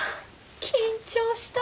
緊張した。